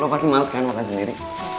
lo pasti males kan makan sendiri